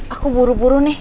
aku buru buru nih